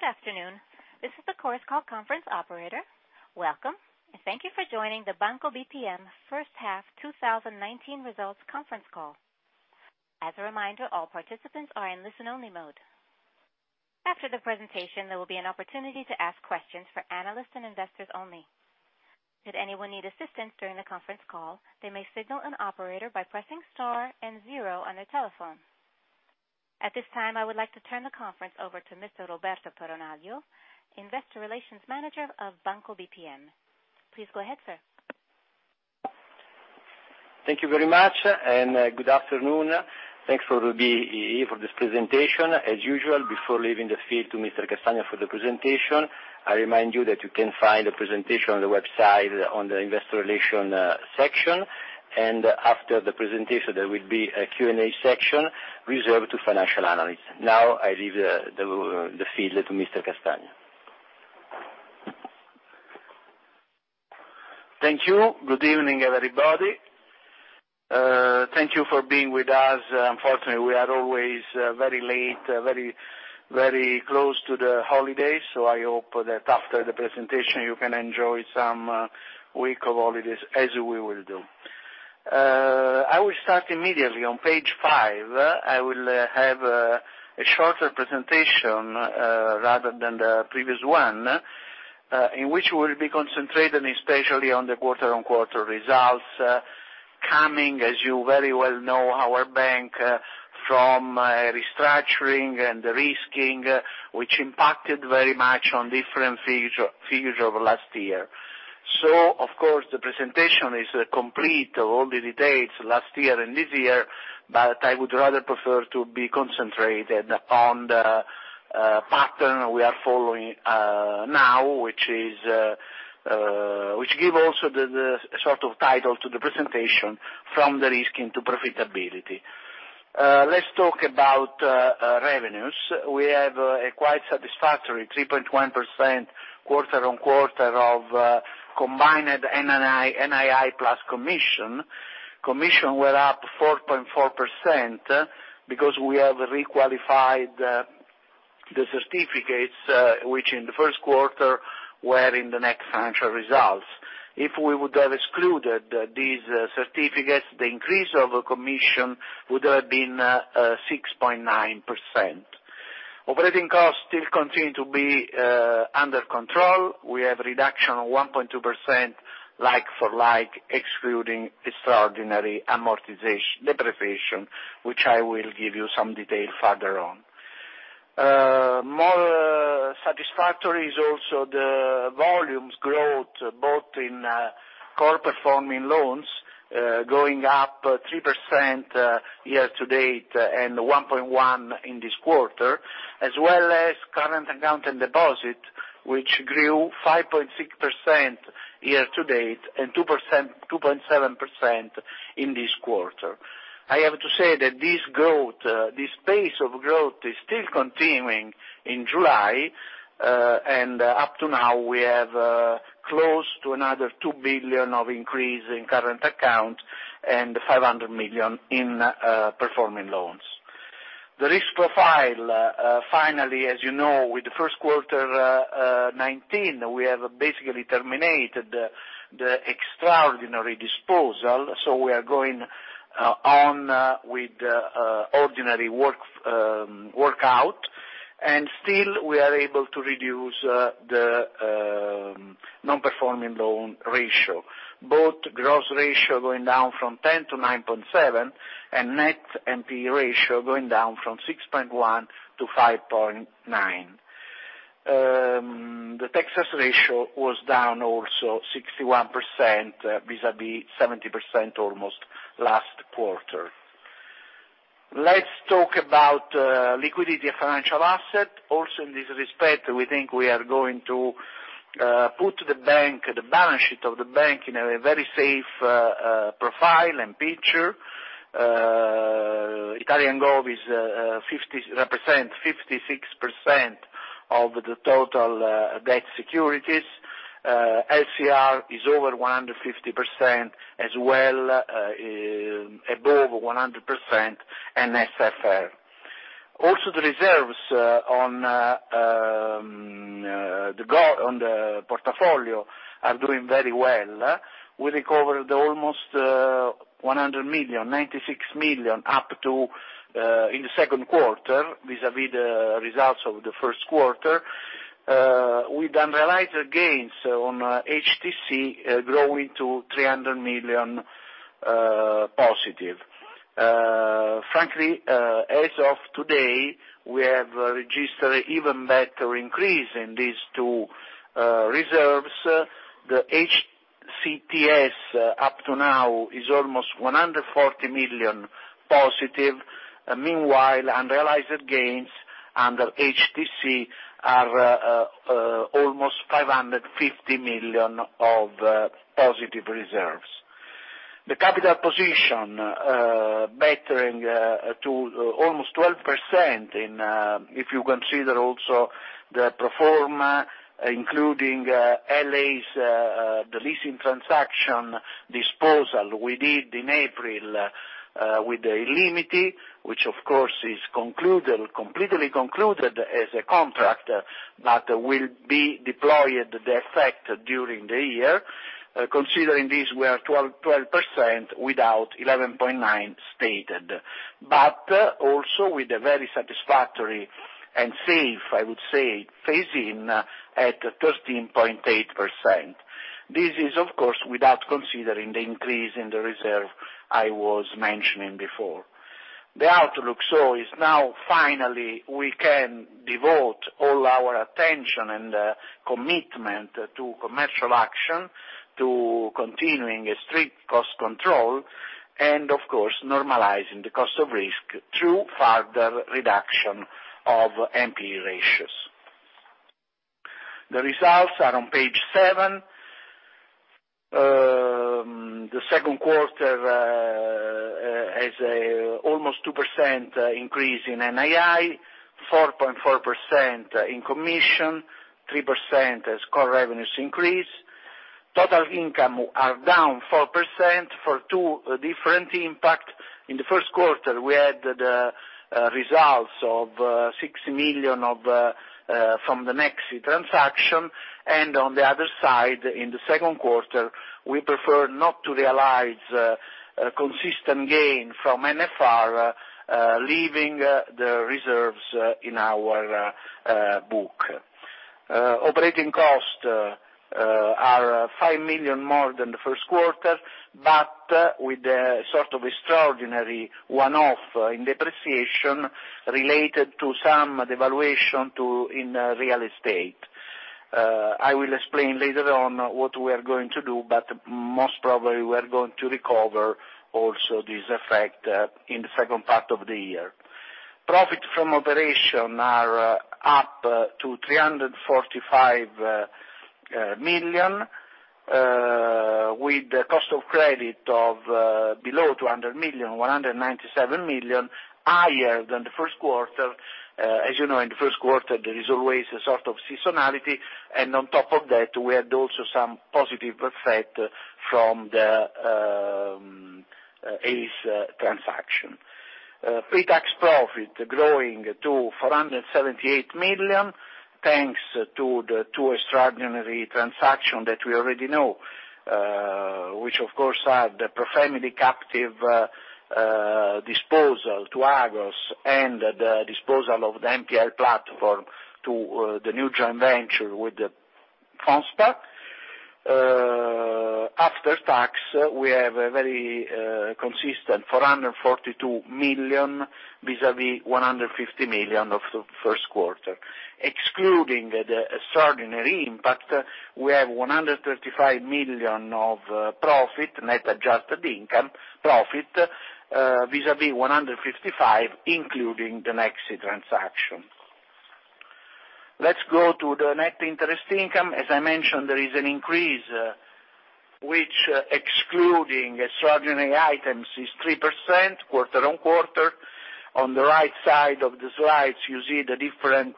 Good afternoon. This is the Chorus Call conference operator. Welcome. Thank you for joining the Banco BPM first half 2019 results conference call. As a reminder, all participants are in listen-only mode. After the presentation, there will be an opportunity to ask questions for analysts and investors only. Should anyone need assistance during the conference call, they may signal an operator by pressing star and zero on their telephone. At this time, I would like to turn the conference over to Mr. Roberto Peronaglio, Investor Relations Manager of Banco BPM. Please go ahead, sir. Thank you very much. Good afternoon. Thanks for being here for this presentation. As usual, before leaving the field to Mr. Castagna for the presentation, I remind you that you can find the presentation on the website on the investor relations section. After the presentation, there will be a Q&A section reserved to financial analysts. Now, I leave the field to Mr. Castagna. Thank you. Good evening, everybody. Thank you for being with us. Unfortunately, we are always very late, very close to the holidays. I hope that after the presentation you can enjoy some week of holidays as we will do. I will start immediately on page five. I will have a shorter presentation, rather than the previous one, in which we'll be concentrating especially on the quarter-on-quarter results, coming, as you very well know, our bank from restructuring and de-risking, which impacted very much on different figures of last year. Of course, the presentation is complete of all the details last year and this year, but I would rather prefer to be concentrated upon the pattern we are following now, which give also the sort of title to the presentation from de-risking to profitability. Let's talk about revenues. We have a quite satisfactory 3.1% quarter-on-quarter of combined NII plus commission. Commission were up 4.4%, because we have re-qualified the certificates, which in the first quarter were in the next financial results. If we would have excluded these certificates, the increase of commission would have been 6.9%. Operating costs still continue to be under control. We have reduction of 1.2%, like-for-like, excluding extraordinary amortization depreciation, which I will give you some detail further on. More satisfactory is also the volumes growth, both in core performing loans, going up 3% year-to-date and 1.1% in this quarter, as well as current account and deposit, which grew 5.6% year-to-date and 2.7% in this quarter. I have to say that this pace of growth is still continuing in July. Up to now we have close to another 2 billion of increase in current account and 500 million in performing loans. The risk profile, finally, as you know, with the first quarter 2019, we have basically terminated the extraordinary disposal. We are going on with ordinary work out, and still we are able to reduce the non-performing loan ratio. Both gross ratio going down from 10% to 9.7% and net NPE ratio going down from 6.1% to 5.9%. The Texas ratio was down also 61% vis-à-vis 70%, almost last quarter. Let's talk about liquidity of financial asset. Also in this respect, we think we are going to put the balance sheet of the bank in a very safe profile and picture. Italian gov represent 56% of the total debt securities. LCR is over 150%, as well above 100% in NSFR. Also, the reserves on the portfolio are doing very well. We recovered almost 100 million, 96 million up to in the second quarter vis-à-vis the results of the first quarter, with unrealized gains on HTC growing to 300 million positive. Frankly, as of today, we have registered even better increase in these two reserves. The HTCS up to now is almost 140 million positive. Unrealized gains under HTC are almost 550 million of positive reserves. The capital position bettering to almost 12%, if you consider also the pro forma, including LAs, the leasing transaction disposal we did in April with illimity, which of course is completely concluded as a contract, but will be deployed the effect during the year. Considering this, we are 12% without 11.9% stated. Also with a very satisfactory and safe, I would say, phase in at 13.8%. This is, of course, without considering the increase in the reserve I was mentioning before. The outlook is now finally we can devote all our attention and commitment to commercial action, to continuing a strict cost control, and of course, normalizing the cost of risk through further reduction of NPE ratios. The results are on page seven. The second quarter has almost 2% increase in NII, 4.4% in commission, 3% as core revenues increase. Total income are down 4% for two different impact. In the first quarter, we had the results of 6 million from the Nexi transaction, and on the other side, in the second quarter, we prefer not to realize a consistent gain from NFR, leaving the reserves in our book. Operating cost are 5 million more than the first quarter, but with the extraordinary one-off in depreciation related to some devaluation in real estate. I will explain later on what we are going to do, but most probably we are going to recover also this effect in the second part of the year. Profit from operation are up to 345 million, with the cost of credit of below 200 million, 197 million, higher than the first quarter. As you know, in the first quarter, there is always a seasonality, and on top of that, we had also some positive effect from the ACE transaction. Pre-tax profit growing to 478 million, thanks to the two extraordinary transaction that we already know, which of course are the ProFamily captive disposal to Agos and the disposal of the NPL platform to the new joint venture with the [Consta]. After tax, we have a very consistent 442 million vis-à-vis 150 million of the first quarter. Excluding the extraordinary impact, we have 135 million of profit, net adjusted income profit vis-à-vis 155 million, including the Nexi transaction. Let's go to the net interest income. As I mentioned, there is an increase, which excluding extraordinary items, is 3% quarter-on-quarter. On the right side of the slides, you see the different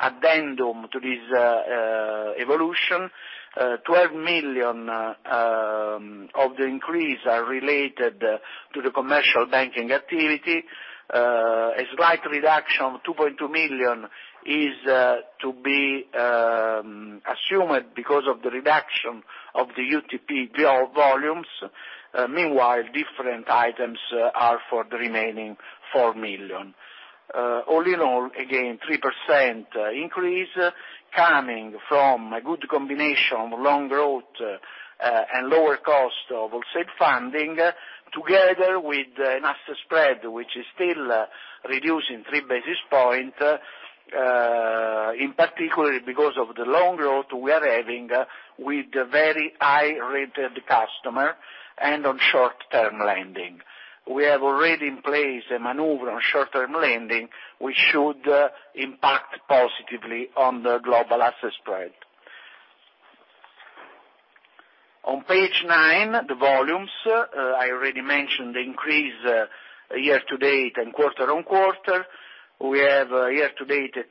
addendum to this evolution. 12 million of the increase are related to the commercial banking activity. A slight reduction, 2.2 million, is to be assumed because of the reduction of the UTP volumes. Meanwhile, different items are for the remaining 4 million. All in all, again, 3% increase coming from a good combination of loan growth and lower cost of wholesale funding, together with an asset spread, which is still reducing three basis point, in particular because of the loan growth we are having with very high-rated customer and on short-term lending. We have already in place a maneuver on short-term lending, which should impact positively on the global asset spread. On page nine, the volumes. I already mentioned the increase year-to-date and quarter-over-quarter. We have year-to-date a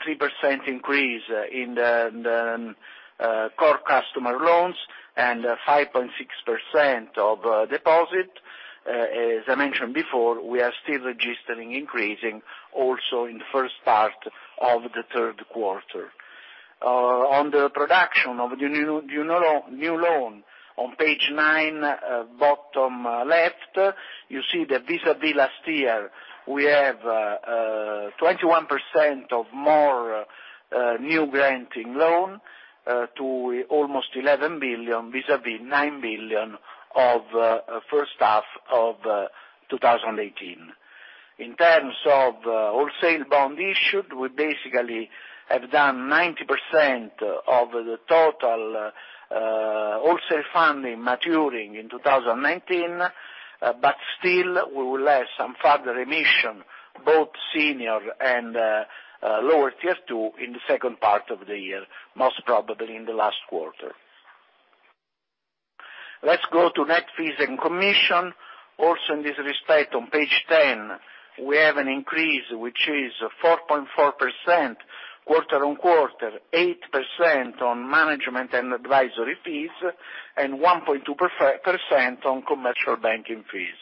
3% increase in the core customer loans and 5.6% of deposit. As I mentioned before, we are still registering increasing also in the first part of the third quarter. On the production of the new loan, on page nine, bottom left, you see that vis-à-vis last year, we have 21% of more new granting loan to almost 11 billion vis-à-vis 9 billion of first half of 2018. In terms of wholesale bond issued, we basically have done 90% of the total wholesale funding maturing in 2019, but still we will have some further emission, both senior and lower Tier 2 in the second part of the year, most probably in the last quarter. Let's go to net fees and commission. In this respect, on page 10, we have an increase, which is 4.4% quarter-over-quarter, 8% on management and advisory fees, and 1.2% on commercial banking fees.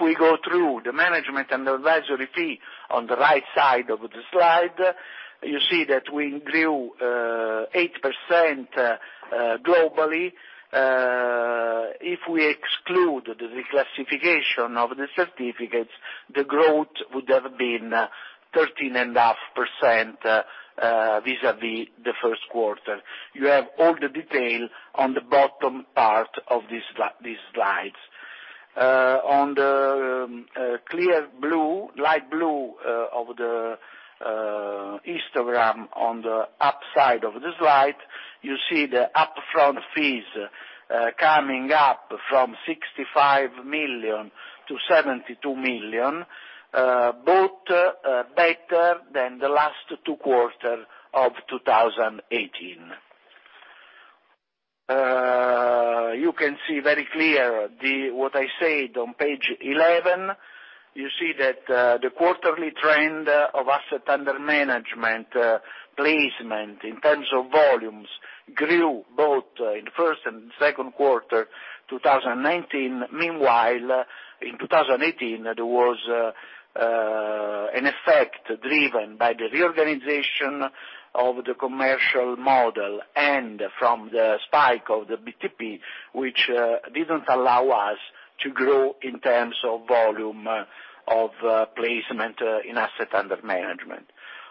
We go through the management and advisory fee on the right side of the slide, you see that we grew 8% globally. We exclude the declassification of the certificates, the growth would have been 13.5% vis-à-vis the first quarter. You have all the detail on the bottom part of these slides. On the light blue of the histogram on the upside of the slide, you see the upfront fees coming up from 65 million to 72 million, both better than the last two quarters of 2018. You can see very clear what I said on page 11. You see that the quarterly trend of asset under management placement in terms of volumes grew both in the first and second quarter 2019. Meanwhile, in 2018, there was an effect driven by the reorganization of the commercial model and from the spike of the BTP, which didn't allow us to grow in terms of volume of placement in asset under management.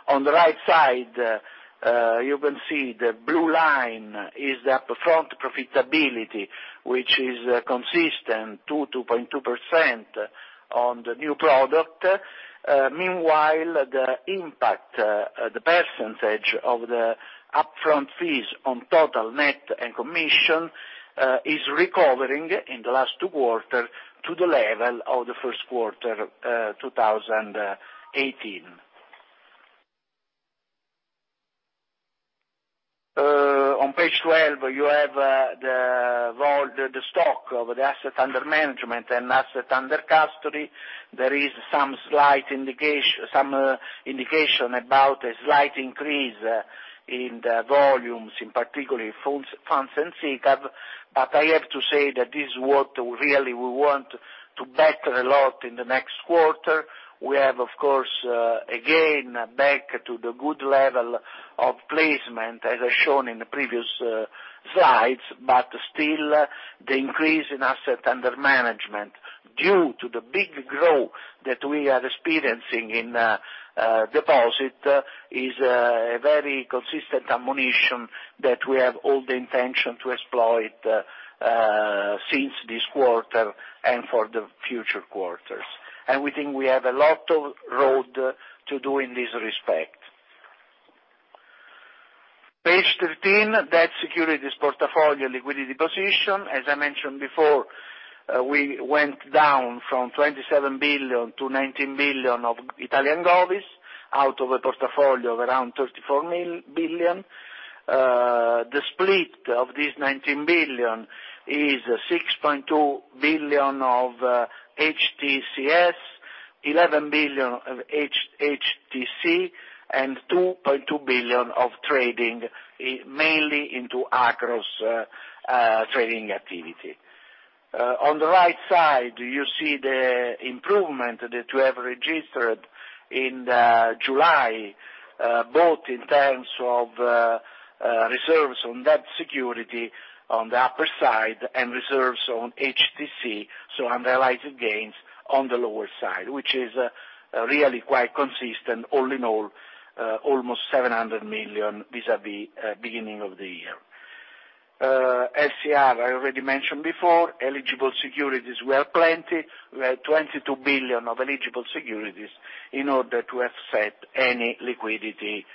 On the right side, you can see the blue line is the upfront profitability, which is consistent 2.2% on the new product. Meanwhile, the impact, the percentage of the upfront fees on total net and commission is recovering in the last two quarters to the level of the first quarter 2018. On page 12, you have the stock of the asset under management and asset under custody. There is some indication about a slight increase in the volumes, in particular funds and SICAV, but I have to say that this is what really we want to better a lot in the next quarter. We have, of course, again, back to the good level of placement as I shown in the previous slides, but still the increase in asset under management, due to the big growth that we are experiencing in deposit, is a very consistent ammunition that we have all the intention to exploit since this quarter and for the future quarters. We think we have a lot of road to do in this respect. Page 13, debt securities portfolio liquidity position. As I mentioned before, we went down from 27 billion to 19 billion of Italian govies out of a portfolio of around 34 billion. The split of this 19 billion is 6.2 billion of HTCS, 11 billion of HTC, and 2.2 billion of trading, mainly into across trading activity. On the right side, you see the improvement that we have registered in July, both in terms of reserves on debt security on the upper side and reserves on HTC, so unrealized gains on the lower side, which is really quite consistent all in all, almost 700 million vis-à-vis beginning of the year. SCR, I already mentioned before, eligible securities, we are plenty. We have 22 billion of eligible securities in order to offset any liquidity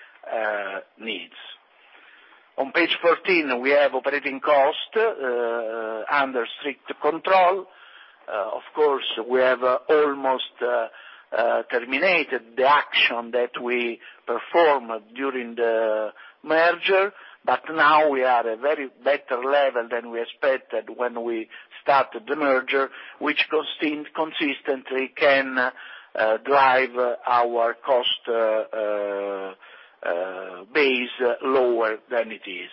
needs. On page 14, we have operating cost under strict control. We have almost terminated the action that we performed during the merger, but now we are at a very better level than we expected when we started the merger, which consistently can drive our cost base lower than it is.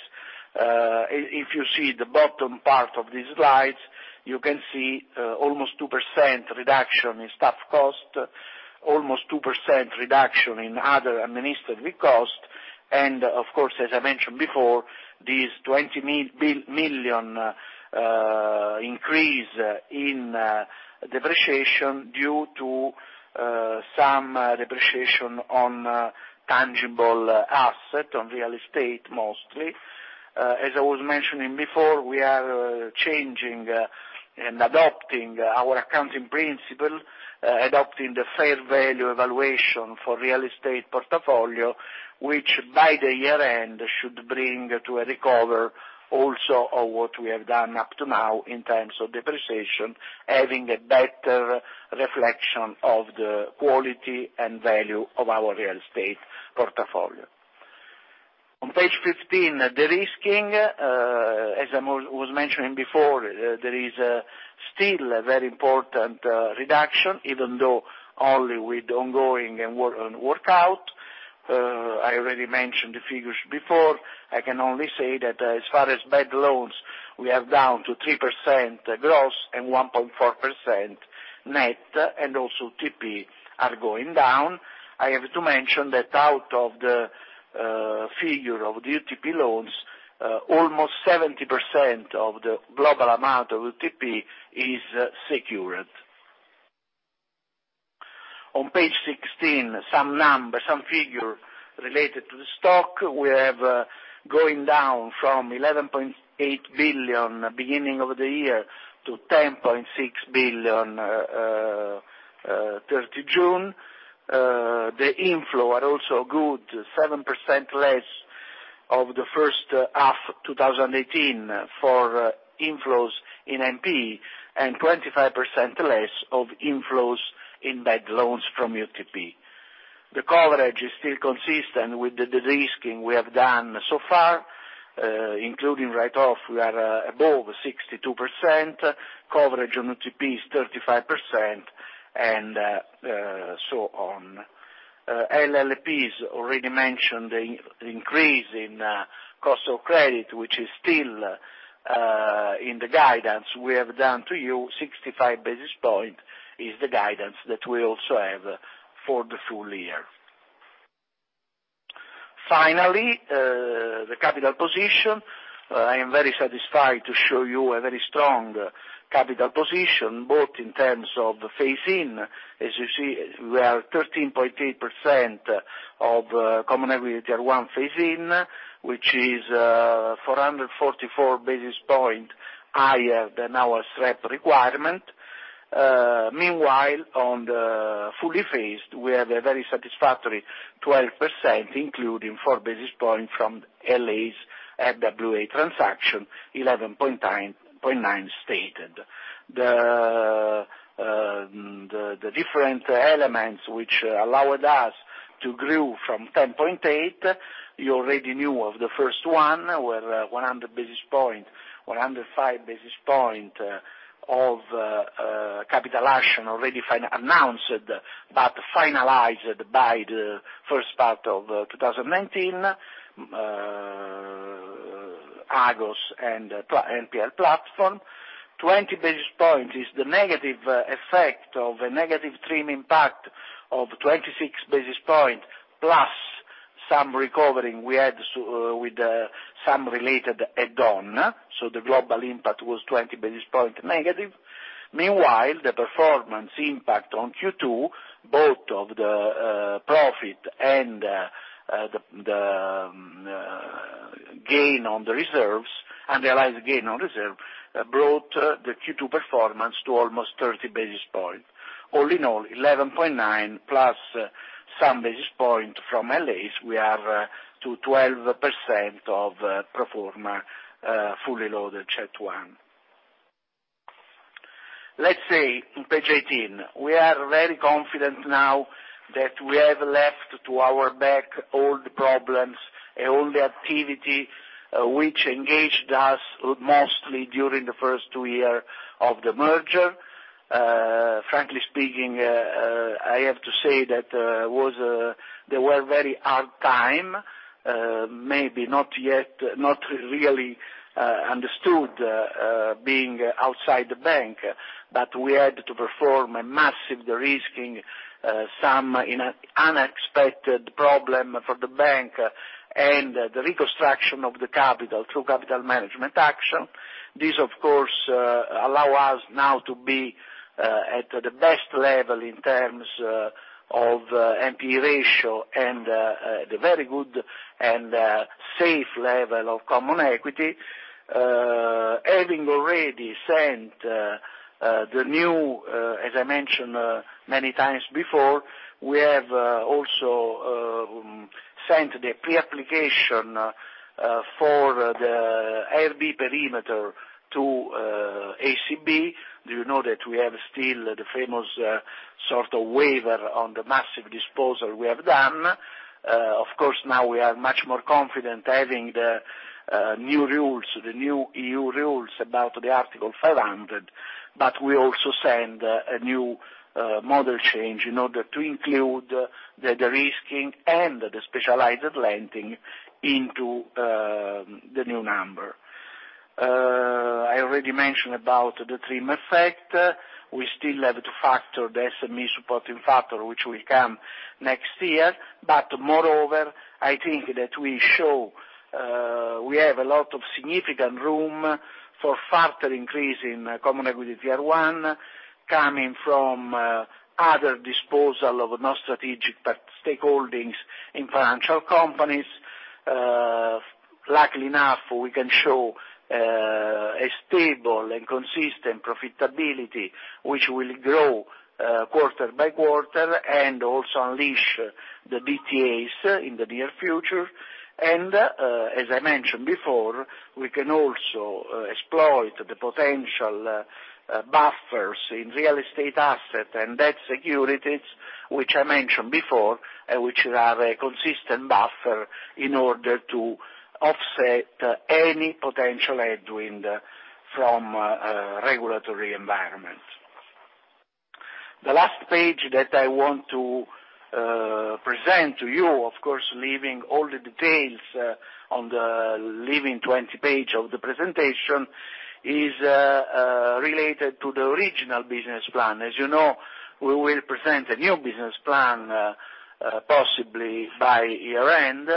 If you see the bottom part of this slide, you can see almost 2% reduction in staff cost, almost 2% reduction in other administrative cost, and of course, as I mentioned before, this 20 million increase in depreciation due to some depreciation on tangible asset, on real estate, mostly. As I was mentioning before, we are changing and adopting our accounting principle, adopting the fair value evaluation for real estate portfolio, which by the year-end should bring to a recover also of what we have done up to now in terms of depreciation, having a better reflection of the quality and value of our real estate portfolio. On page 15, de-risking. As I was mentioning before, there is still a very important reduction, even though only with ongoing and workout. I already mentioned the figures before. I can only say that as far as bad loans, we are down to 3% gross and 1.4% net, and also UTP are going down. I have to mention that out of the figure of the UTP loans, almost 70% of the global amount of UTP is secured. On page 16, some figure related to the stock. We have going down from 11.8 billion beginning of the year to 10.6 billion 30 June. The inflow are also good, 7% less of the first half 2018 for inflows in NPE, and 25% less of inflows in bad loans from UTP. The coverage is still consistent with the de-risking we have done so far, including write-off, we are above 62%, coverage on UTP is 35%, and so on. LLPs, already mentioned the increase in cost of credit, which is still in the guidance we have done to you, 65 basis points is the guidance that we also have for the full year. Finally, the capital position. I am very satisfied to show you a very strong capital position, both in terms of the phase-in. As you see, we are 13.8% of Common Equity Tier 1 phase-in, which is 444 basis points higher than our SREP requirement. On the fully phased, we have a very satisfactory 12%, including 4 basis point from LAs RWA transaction, 11.9 stated. The different elements which allowed us to grow from 10.8, you already knew of the first one, were 105 basis point of capital action already announced, but finalized by the first part of 2019, Agos and NPL platform. 20 basis point is the negative effect of a negative TRIM impact of 26 basis point, plus some recovering we had with some related add-on. The global impact was 20 basis point negative. The performance impact on Q2, both of the profit and the unrealized gain on reserve, brought the Q2 performance to almost 30 basis point. All in all, 11.9 plus some basis point from LAs, we are to 12% of pro forma fully loaded CET1. Let's see page 18. We are very confident now that we have left to our back all the problems, and all the activity which engaged us mostly during the first two years of the merger. Frankly speaking, I have to say that they were very hard times, maybe not really understood being outside the bank. We had to perform a massive de-risking, some unexpected problems for the bank, and the reconstruction of the capital through capital management action. This, of course, allows us now to be at the best level in terms of NPE ratio and the very good and safe level of common equity. Having already sent the new, as I mentioned many times before, we have also sent the pre-application for the IRB perimeter to ECB. Do you know that we have still the famous sort of waiver on the massive disposal we have done. Now we are much more confident having the new EU rules about the Article 500, but we also send a new model change in order to include the de-risking and the specialized lending into the new number. I already mentioned about the TRIM effect. We still have to factor the SME supporting factor, which will come next year. Moreover, I think that we show we have a lot of significant room for further increase in Common Equity Tier 1, coming from other disposal of non-strategic but stakeholdings in financial companies. Luckily enough, we can show a stable and consistent profitability, which will grow quarter by quarter and also unleash the DTAs in the near future. As I mentioned before, we can also exploit the potential buffers in real estate assets and that securities, which I mentioned before, which have a consistent buffer in order to offset any potential headwind from regulatory environment. The last page that I want to present to you, of course, leaving all the details on the 20 pages of the presentation, is related to the original business plan. As you know, we will present a new business plan, possibly by year-end.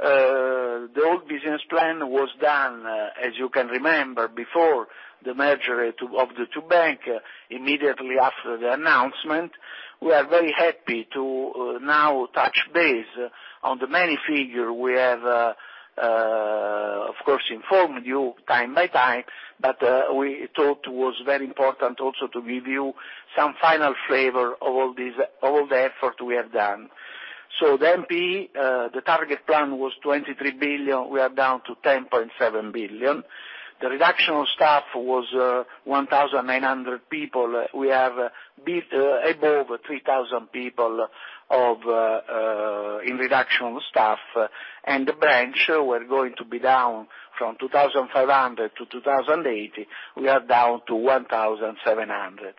The old business plan was done, as you can remember, before the merger of the two banks, immediately after the announcement. We are very happy to now touch base on the many figures we have, of course, informed you time by time, but we thought was very important also to give you some final flavor of all the effort we have done. The NPE, the target plan was 23 billion. We are down to 10.7 billion. The reduction of staff was 1,900 people. We have above 3,000 people in reduction of staff. The branch were going to be down from 2,500 to 2,080. We are down to 1,700.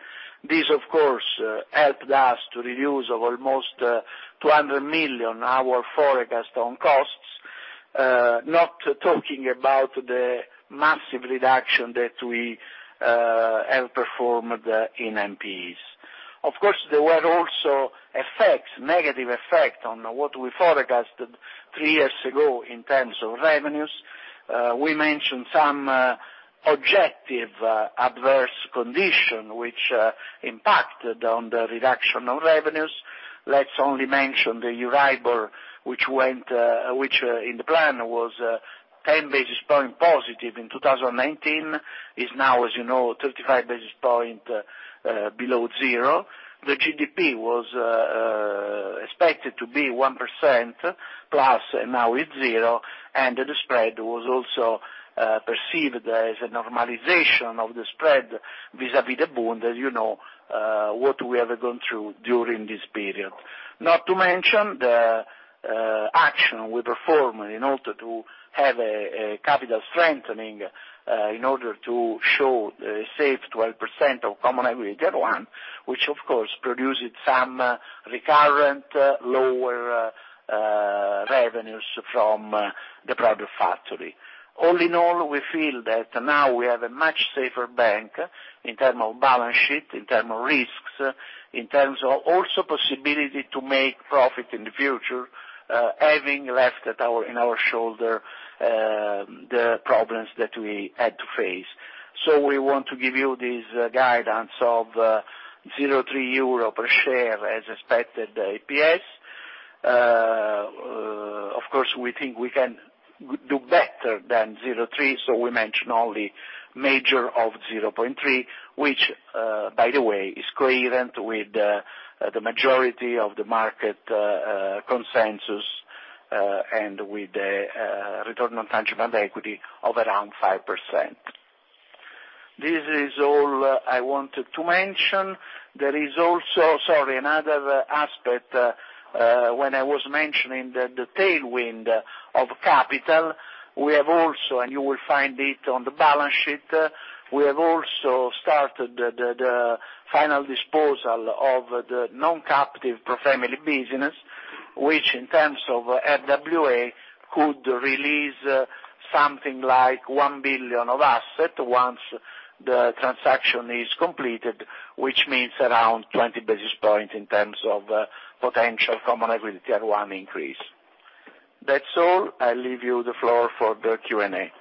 This, of course, helped us to reduce almost 200 million our forecast on costs, not talking about the massive reduction that we have performed in NPEs. There were also negative effect on what we forecasted three years ago in terms of revenues. We mentioned some objective adverse condition, which impacted on the reduction of revenues. Let's only mention the EURIBOR, which in the plan was 10 basis point positive in 2019, is now, as you know, 35 basis point below zero. The GDP was expected to be 1% plus. Now it's zero. The spread was also perceived as a normalization of the spread vis-à-vis the bond, as you know what we have gone through during this period. Not to mention the action we perform in order to have a capital strengthening, in order to show a safe 12% of common equity at 1, which of course produces some recurrent lower revenues from the profit factory. All in all, we feel that now we have a much safer bank in term of balance sheet, in term of risks, in terms of also possibility to make profit in the future, having left in our shoulder the problems that we had to face. We want to give you this guidance of 0.3 euro per share as expected EPS. Of course, we think we can do better than 0.3, so we mention only major of 0.3, which, by the way, is coherent with the majority of the market consensus, and with the return on tangible equity of around 5%. This is all I wanted to mention. There is also, sorry, another aspect, when I was mentioning the tailwind of capital, we have also, and you will find it on the balance sheet. We have also started the final disposal of the non-captive ProFamily business, which in terms of RWA, could release something like 1 billion of asset once the transaction is completed, which means around 20 basis points in terms of potential common equity Tier 1 increase. That's all. I leave you the floor for the Q&A.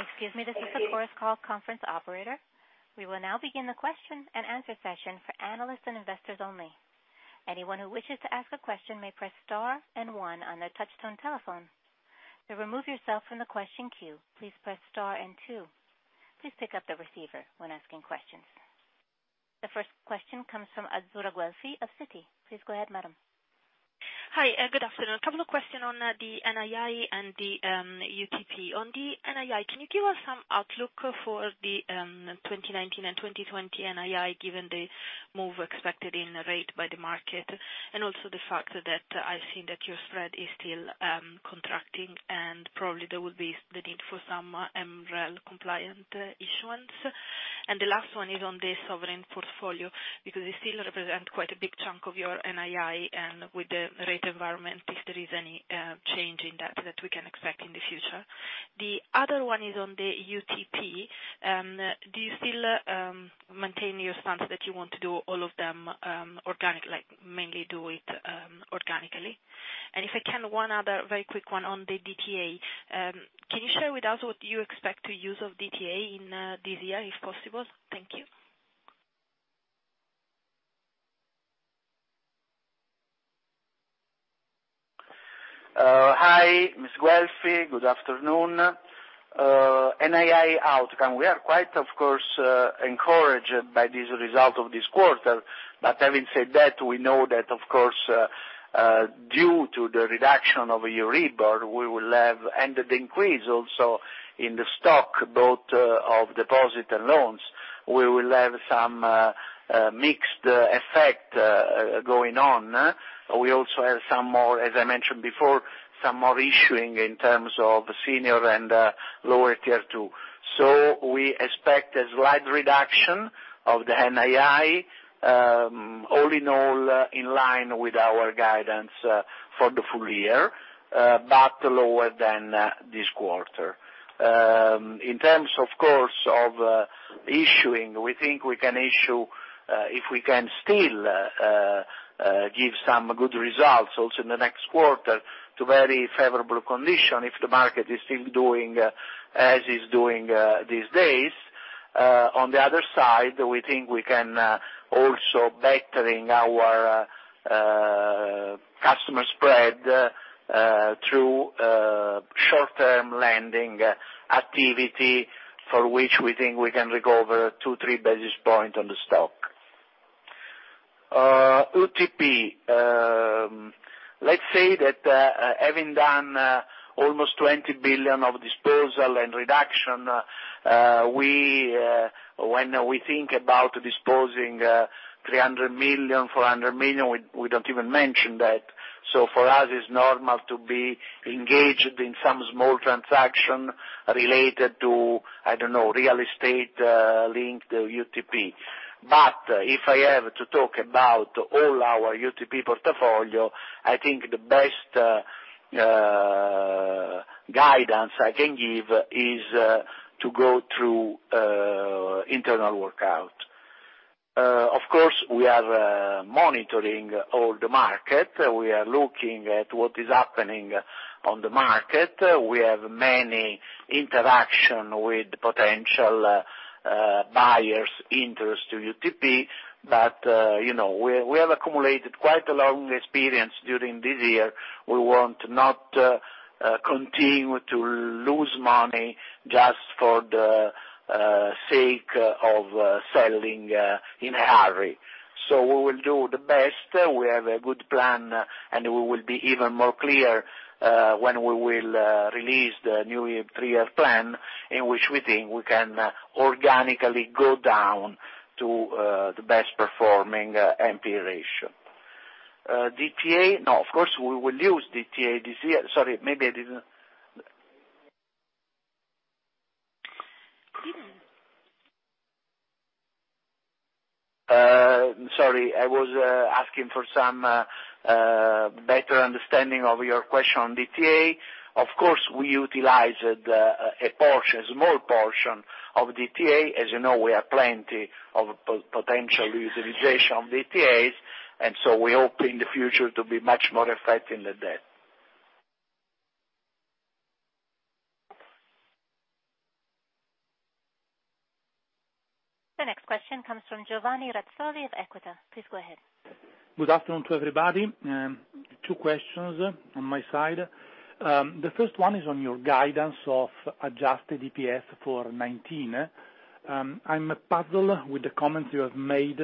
Excuse me, this is of Chorus Call conference operator. We will now begin the question and answer session for analysts and investors only. Anyone who wishes to ask a question may press star one on their touchtone telephone. To remove yourself from the question queue, please press star two. Please pick up the receiver when asking questions. The first question comes from Azzurra Guelfi of Citi. Please go ahead, madam. Hi. Good afternoon. A couple of questions on the NII and the UTP. On the NII, can you give us some outlook for the 2019 and 2020 NII, given the move expected in rate by the market, and also the fact that I've seen that your spread is still contracting, and probably there will be the need for some MREL compliant issuance? The last one is on the sovereign portfolio, because they still represent quite a big chunk of your NII, and with the rate environment, if there is any change in that we can expect in the future. The other one is on the UTP. Do you still maintain your stance that you want to do all of them organic, like mainly do it organically? If I can, one other very quick one on the DTA. Can you share with us what you expect to use of DTA in this year, if possible? Thank you. Hi, Ms. Guelfi. Good afternoon. NII outcome. We are quite, of course, encouraged by this result of this quarter. Having said that, we know that of course, due to the reduction of EURIBOR, and the increase also in the stock, both of deposit and loans, we will have some mixed effect going on. We also have, as I mentioned before, some more issuing in terms of senior and lower Tier II. We expect a slight reduction of the NII, all in all, in line with our guidance for the full year, but lower than this quarter. In terms, of course, of issuing, we think we can issue, if we can still give some good results also in the next quarter, to very favorable condition if the market is still doing as it's doing these days. On the other side, we think we can also better our customer spread through short-term lending activity, for which we think we can recover two, three basis points on the stock. UTP. Let's say that having done almost 20 billion of disposal and reduction, when we think about disposing 300 million, 400 million, we don't even mention that. For us, it's normal to be engaged in some small transaction related to real estate linked UTP. If I have to talk about all our UTP portfolio, I think the best guidance I can give is to go through internal workout. Of course, we are monitoring all the market. We are looking at what is happening on the market. We have many interaction with potential buyers interest to UTP. We have accumulated quite a long experience during this year. We want to not continue to lose money just for the sake of selling in a hurry. We will do the best. We have a good plan, and we will be even more clear when we will release the new three-year plan, in which we think we can organically go down to the best performing NPE ratio. DTA. No, of course, we will use DTA this year. Sorry, I was asking for some better understanding of your question on DTA. Of course, we utilized a small portion of DTA. As you know, we have plenty of potential utilization of DTAs, and so we hope in the future to be much more effective than that. The next question comes from Giovanni Razzoli of Equita. Please go ahead. Good afternoon to everybody. Two questions on my side. The first one is on your guidance of adjusted EPS for 2019. I'm puzzled with the comments you have made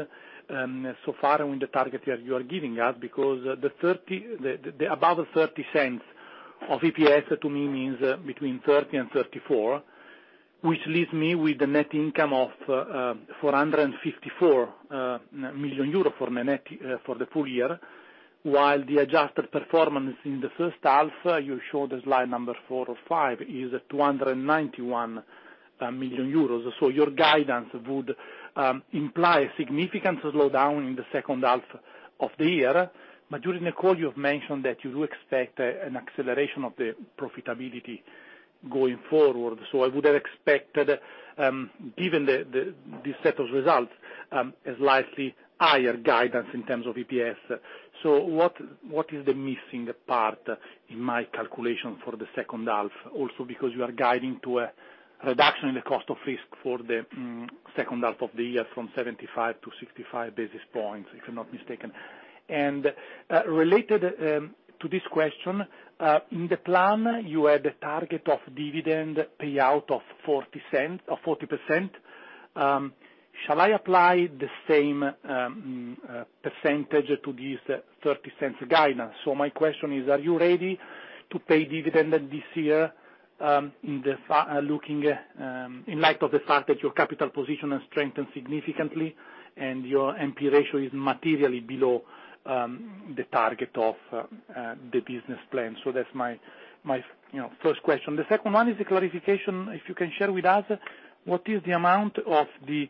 so far and the target that you are giving us, because above the 0.30 of EPS to me means between 30 and 34, which leaves me with a net income of 454 million euro for the full year, while the adjusted performance in the first half, you show the slide number four or five, is 291 million euros. Your guidance would imply a significant slowdown in the second half of the year. During the call, you have mentioned that you do expect an acceleration of the profitability going forward. I would have expected, given this set of results, a slightly higher guidance in terms of EPS. What is the missing part in my calculation for the second half? Also because you are guiding to a reduction in the cost of risk for the second half of the year from 75 to 65 basis points, if I'm not mistaken. Related to this question, in the plan, you had a target of dividend payout of 40%. Shall I apply the same percentage to this 0.30 guidance? My question is, are you ready to pay dividend this year in light of the fact that your capital position has strengthened significantly and your NPE ratio is materially below the target of the business plan? That's my first question. The second one is a clarification, if you can share with us, what is the amount of the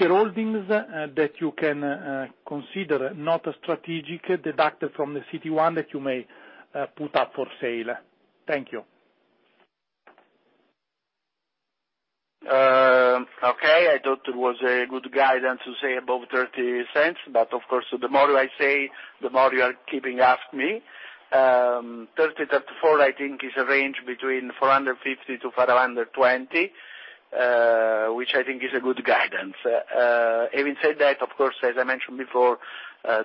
shareholdings that you can consider not strategic, deducted from the CET1 that you may put up for sale? Thank you. Okay. I thought it was a good guidance to say above 0.30, of course, the more I say, the more you are keeping ask me. 0.30, 0.34, I think is a range between 450-420, which I think is a good guidance. Having said that, of course, as I mentioned before,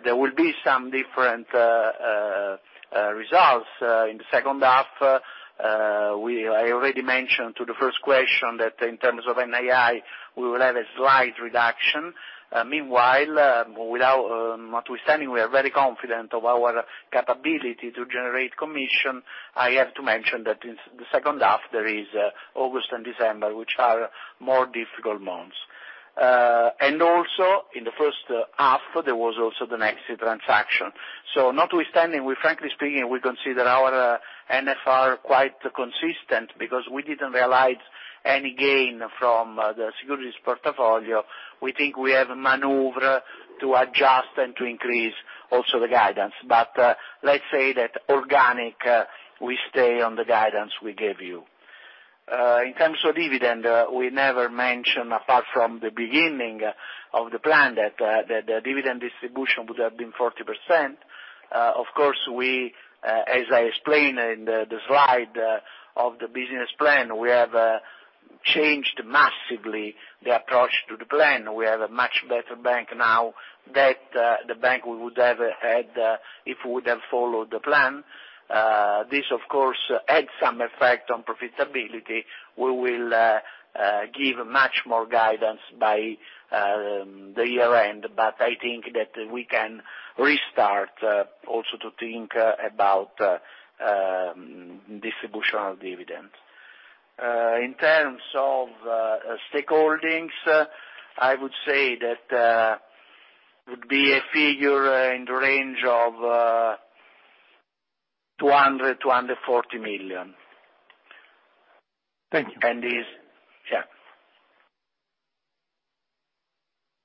there will be some different results in the second half, I already mentioned to the first question that in terms of NII, we will have a slight reduction. Meanwhile, notwithstanding, we are very confident of our capability to generate commission. I have to mention that in the second half, there is August and December, which are more difficult months. Also in the first half, there was also the Nexi transaction. Notwithstanding, frankly speaking, we consider our NFR quite consistent because we didn't realize any gain from the securities portfolio. We think we have maneuver to adjust and to increase also the guidance. Let's say that organic, we stay on the guidance we gave you. In terms of dividend, we never mentioned, apart from the beginning of the plan, that the dividend distribution would have been 40%. Of course, as I explained in the slide of the business plan, we have changed massively the approach to the plan. We have a much better bank now than the bank we would have had if we would have followed the plan. This, of course, had some effect on profitability. We will give much more guidance by the year-end, but I think that we can restart also to think about distributional dividends. In terms of stakeholdings, I would say that would be a figure in the range of EUR 200 million-EUR 240 million. Thank you. is Yeah.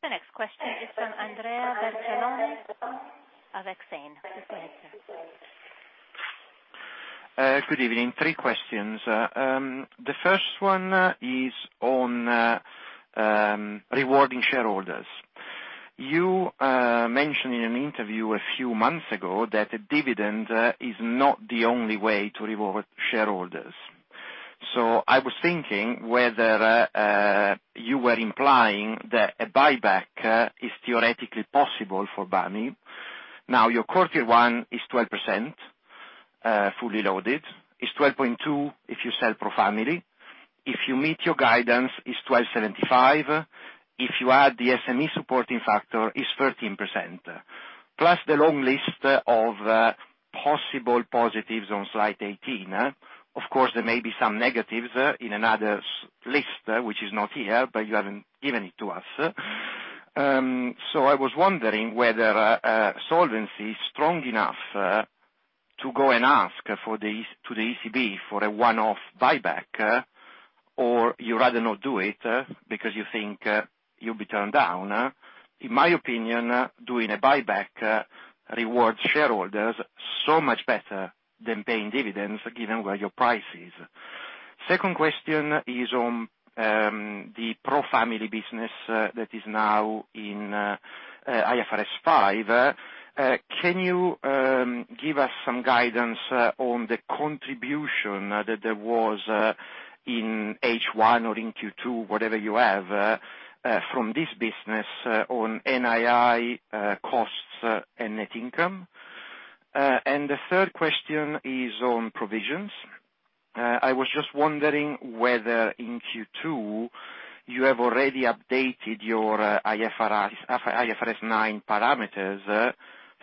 The next question is from Andrea Vercellone of Exane. Please go ahead, sir. Good evening. Three questions. The first one is on rewarding shareholders. You mentioned in an interview a few months ago that a dividend is not the only way to reward shareholders. I was thinking whether you were implying that a buyback is theoretically possible for Bank. Your quarter one is 12%, fully loaded. It's 12.2% if you sell ProFamily. If you meet your guidance, it's 12.75%. If you add the SME supporting factor, it's 13%, plus the long list of possible positives on slide 18. Of course, there may be some negatives in another list, which is not here, but you haven't given it to us. I was wondering whether solvency is strong enough to go and ask to the ECB for a one-off buyback, or you rather not do it because you think you'll be turned down. In my opinion, doing a buyback rewards shareholders so much better than paying dividends, given where your price is. Second question is on the ProFamily business that is now in IFRS 5. Can you give us some guidance on the contribution that there was in H1 or in Q2, whatever you have, from this business on NII costs and net income? The third question is on provisions. I was just wondering whether in Q2 you have already updated your IFRS 9 parameters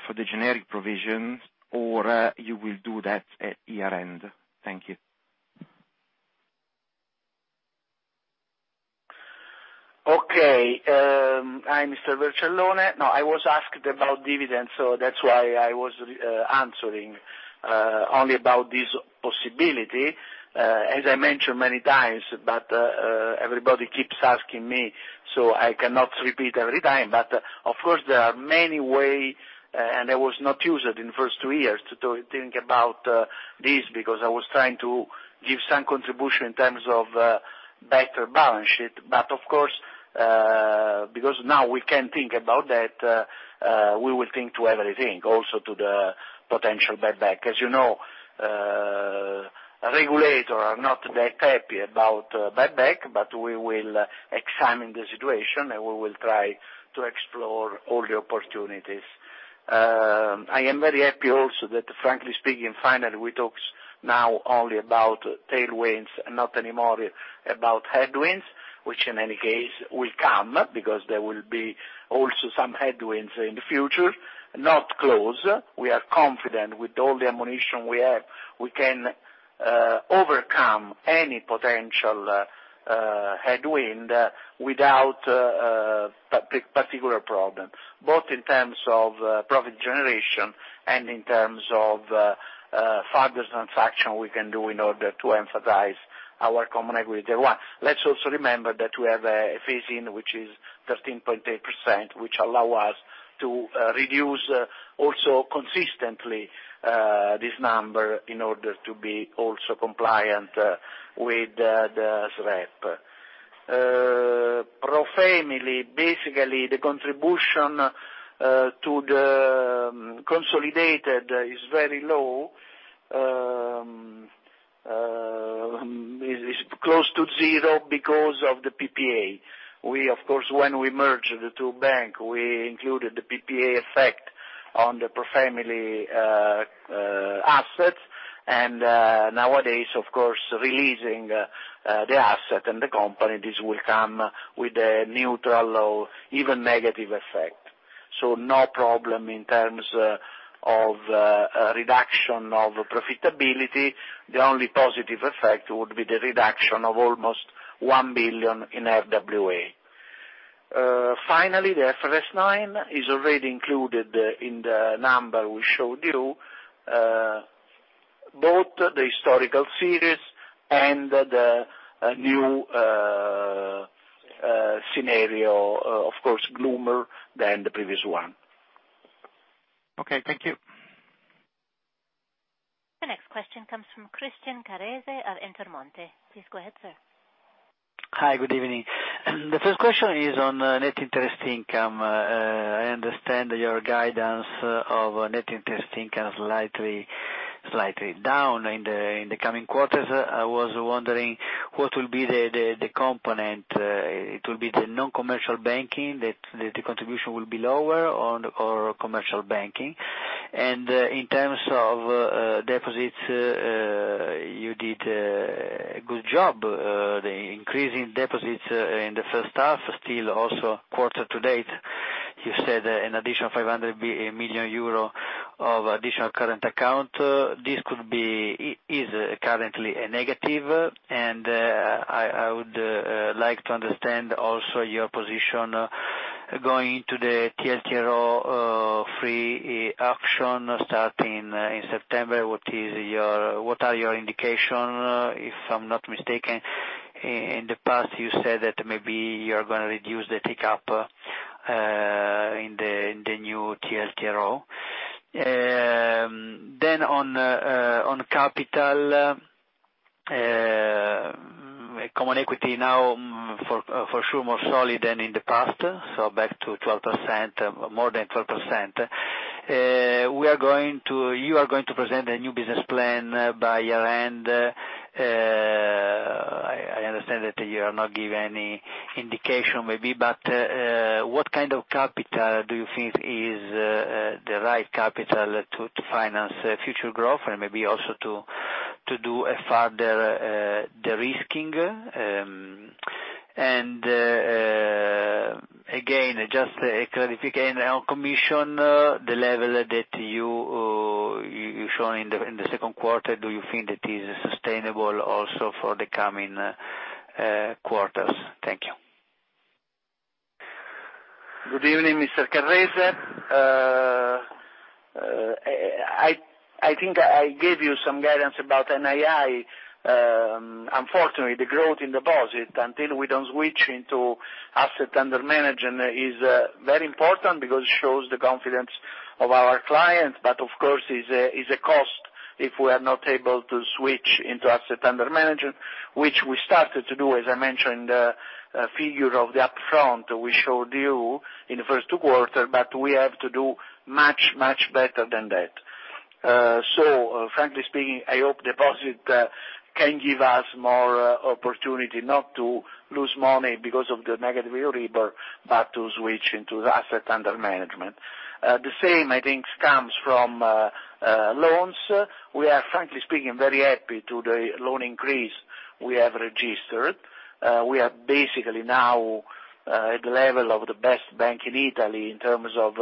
for the generic provisions, or you will do that at year-end. Thank you. Okay. Hi, Mr. Vercellone. I was asked about dividends, that's why I was answering only about this possibility. As I mentioned many times, everybody keeps asking me, I cannot repeat every time. Of course, there are many way, I was not used in the first two years to think about this because I was trying to give some contribution in terms of better balance sheet. Of course, because now we can think about that, we will think to everything, also to the potential buyback. As you know, regulators are not that happy about buyback, we will examine the situation, we will try to explore all the opportunities. I am very happy also that frankly speaking, finally, we talk now only about tailwinds, not anymore about headwinds, which in any case will come because there will be also some headwinds in the future, not close. We are confident with all the ammunition we have, we can overcome any potential headwind without particular problem, both in terms of profit generation and in terms of furthest transaction we can do in order to emphasize our common equity. Let's also remember that we have a phase-in, which is 13.8%, which allow us to reduce also consistently this number in order to be also compliant with the SREP. ProFamily, basically, the contribution to the consolidated is very low, close to zero because of the PPA. Of course, when we merged the two banks, we included the PPA effect on the ProFamily assets. Nowadays, of course, releasing the asset and the company, this will come with a neutral or even negative effect. No problem in terms of a reduction of profitability. The only positive effect would be the reduction of almost 1 billion in RWA. Finally, the IFRS 9 is already included in the number we showed you, both the historical series and the new scenario. Of course, gloomier than the previous one. Okay. Thank you. The next question comes from Christian Carrese of Intermonte. Please go ahead, sir. Hi, good evening. The first question is on net interest income. I understand your guidance of net interest income slightly down in the coming quarters. I was wondering what will be the component. It will be the non-commercial banking that the contribution will be lower or commercial banking? In terms of deposits, you did a good job. The increase in deposits in the first half, still also quarter to date. You said an additional 500 million euro of additional current account. This is currently a negative, and I would like to understand also your position going into the TLTRO III action starting in September. What are your indication? If I'm not mistaken, in the past you said that maybe you're going to reduce the take-up in the new TLTRO. On capital, common equity now for sure more solid than in the past. Back to more than 12%. You are going to present a new business plan by year-end. I understand that you are not giving any indication maybe, but what kind of capital do you think is the right capital to finance future growth and maybe also to do a further de-risking? Again, just a clarification on commission, the level that you show in the second quarter, do you think that is sustainable also for the coming quarters? Thank you. Good evening, Mr. Carrese. I think I gave you some guidance about NII. Unfortunately, the growth in deposit, until we don't switch into asset under management is very important because it shows the confidence of our clients, but of course is a cost if we are not able to switch into asset under management, which we started to do, as I mentioned, a figure of the upfront we showed you in the first 2 quarters, but we have to do much, much better than that. Frankly speaking, I hope deposit can give us more opportunity not to lose money because of the negative EURIBOR, but to switch into asset under management. The same, I think, comes from loans. We are, frankly speaking, very happy to the loan increase we have registered. We are basically now at the level of the best bank in Italy in terms of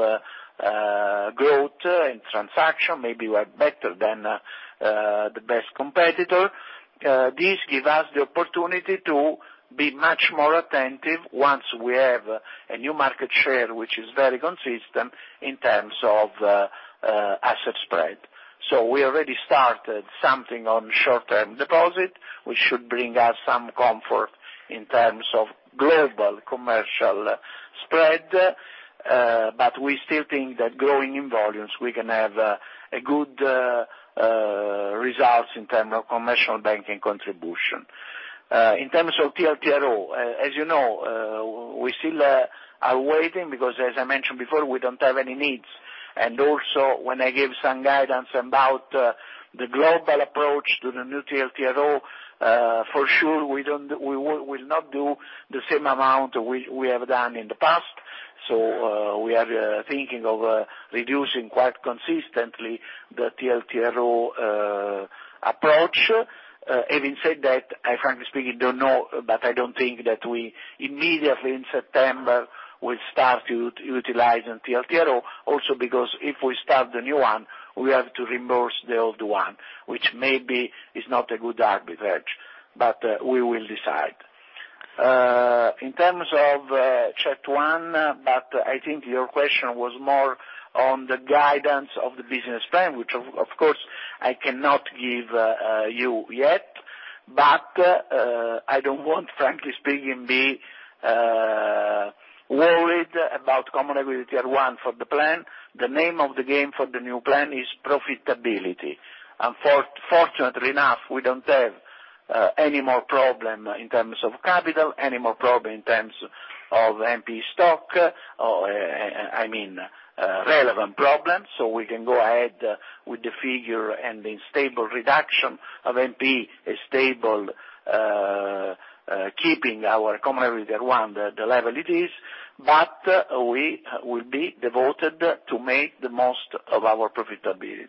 growth and transaction. Maybe we are better than the best competitor. This give us the opportunity to be much more attentive once we have a new market share, which is very consistent in terms of asset spread. We already started something on short-term deposit, which should bring us some comfort in terms of global commercial spread. We still think that growing in volumes, we can have good results in terms of commercial banking contribution. In terms of TLTRO, as you know, we still are waiting because as I mentioned before, we don't have any needs. Also when I give some guidance about the global approach to the new TLTRO, for sure we will not do the same amount we have done in the past. We are thinking of reducing quite consistently the TLTRO approach. Having said that, I frankly speaking, don't know, but I don't think that we immediately in September will start utilizing TLTRO also because if we start the new one, we have to reimburse the old one, which maybe is not a good arbitrage. We will decide. In terms of CET1, I think your question was more on the guidance of the business plan, which of course I cannot give you yet. I don't want, frankly speaking, be worried about Common Equity Tier 1 for the plan. The name of the game for the new plan is profitability. Fortunately enough, we don't have any more problem in terms of capital, any more problem in terms of NPL stock, I mean relevant problems, so we can go ahead with the figure and the stable reduction of NPL, stable keeping our Common Equity Tier 1 the level it is. We will be devoted to make the most of our profitability.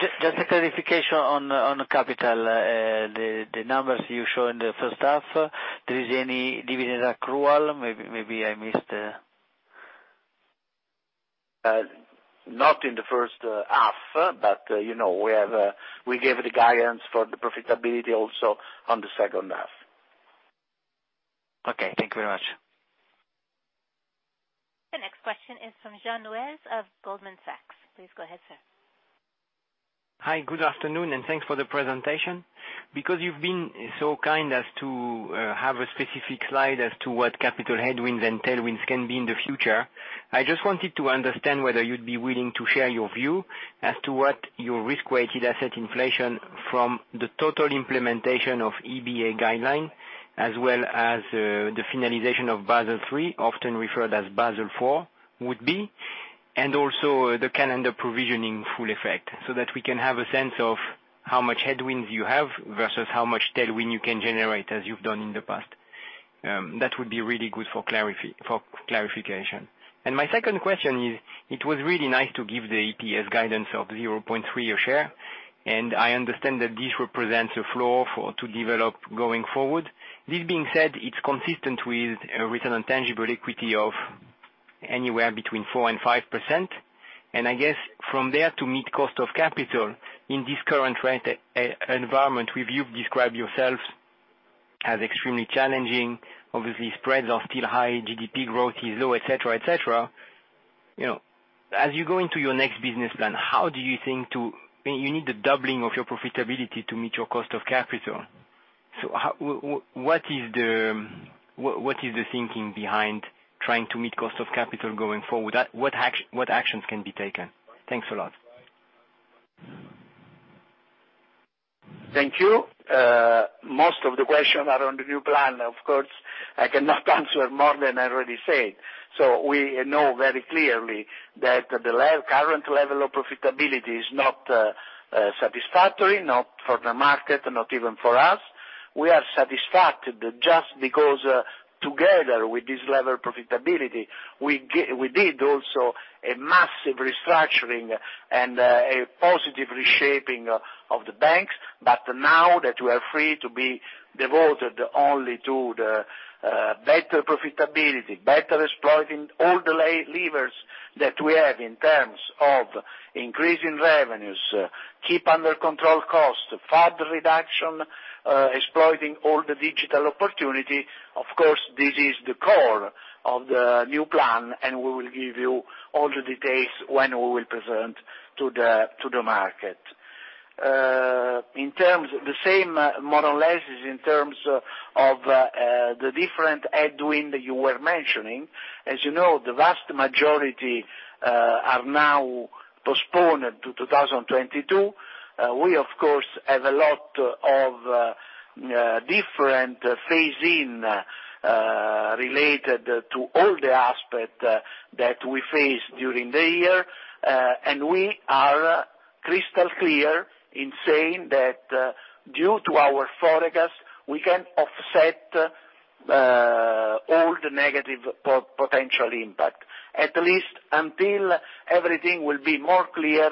Just a clarification on capital. The numbers you show in the first half, there is any dividend accrual? Maybe I missed. Not in the first half, but we gave the guidance for the profitability also on the second half. Okay. Thank you very much. The next question is from Jean Neuez of Goldman Sachs. Please go ahead, sir. Hi, good afternoon. Thanks for the presentation. Because you've been so kind as to have a specific slide as to what capital headwinds and tailwinds can be in the future, I just wanted to understand whether you'd be willing to share your view as to what your risk-weighted asset inflation from the total implementation of EBA guideline, as well as the finalization of Basel III, often referred as Basel IV, would be, and also the calendar provisioning full effect, so that we can have a sense of how much headwinds you have versus how much tailwind you can generate as you've done in the past. That would be really good for clarification. My second question is, it was really nice to give the EPS guidance of 0.3 a share, and I understand that this represents a floor to develop going forward. This being said, it's consistent with a return on tangible equity of anywhere between 4% and 5%. I guess from there to meet cost of capital in this current rate environment where you've described yourselves as extremely challenging, obviously spreads are still high, GDP growth is low, et cetera. As you go into your next business plan, you need the doubling of your profitability to meet your cost of capital. What is the thinking behind trying to meet cost of capital going forward? What actions can be taken? Thanks a lot. Thank you. Most of the questions are on the new plan. Of course, I cannot answer more than I already said. We know very clearly that the current level of profitability is not satisfactory, not for the market, not even for us. We are satisfied just because together with this level of profitability, we did also a massive restructuring and a positive reshaping of the banks. Now that we are free to be devoted only to the better profitability, better exploiting all the levers that we have in terms of increasing revenues, keep under control costs, FAB reduction, exploiting all the digital opportunity. Of course, this is the core of the new plan, and we will give you all the details when we will present to the market. The same, more or less, is in terms of the different headwind you were mentioning. As you know, the vast majority are now postponed to 2022. We, of course, have a lot of different phase-in related to all the aspect that we faced during the year. We are crystal clear in saying that due to our forecast, we can offset all the negative potential impact, at least until everything will be more clear,